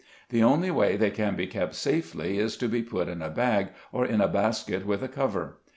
The only way they can be kept safely is to be put in a bag, or in a basket with a cover.